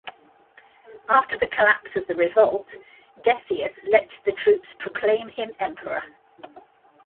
After the collapse of the revolt, Decius let the troops proclaim him Emperor.